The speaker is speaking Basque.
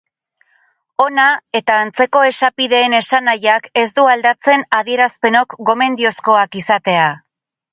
Ona eta antzeko esapideen esanahiak ez du aldatzen adierazpenok gomendiozkoak izatea.